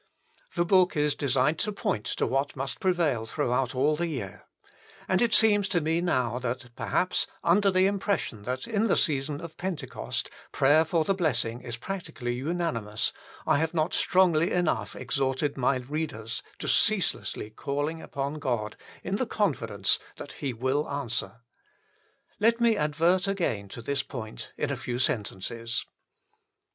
The book is designed to point to what must prevail throughout all the year ; and it seems to me now that, perhaps under the impression that in the season of Pentecost prayer for the blessing is practically unanimous, I have not strongly enough exhorted my readers to ceaseless calling upon God in the confidence that He will answer. Let me advert again to this point in a few sentences.